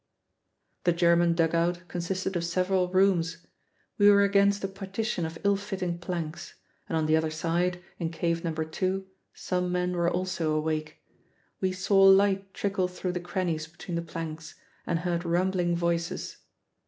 The German dug out consisted of several rooms. We were against a partition of ill fitting planks; and on the other side, in Cave No. 2, some men were also awake. We saw light trickle through the crannies between the planks and heard rumbling voices.